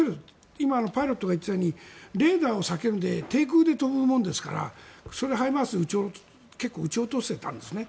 今、パイロットが言っていたようにレーダーを避けて低空で飛ぶものですからＨＩＭＡＲＳで結構撃ち落とせたんですね。